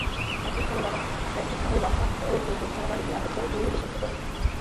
একই সঙ্গে ঘটনাস্থল থেকে সাহেব আলীকে আটক করে পুলিশে সোপর্দ করে।